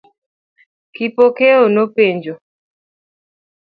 Kipokeo nopenjo.